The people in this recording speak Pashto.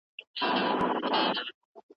د نورو درناوی وکړئ.